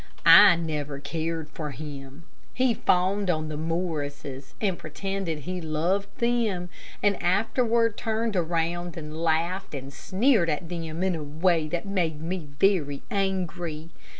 I never cared for him. He fawned on the Morrises, and pretended he loved them, and afterward turned around and laughed and sneered at them in a way that made me very angry.